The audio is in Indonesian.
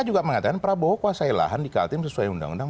itu juga mengatakan prabowo kuasai lahan dikaltim sesuai undang undang